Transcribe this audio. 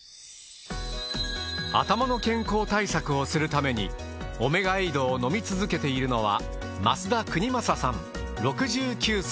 頭の健康対策をするためにオメガエイドを飲み続けているのは。